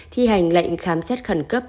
thi hành lệnh khám xét khẩn cấp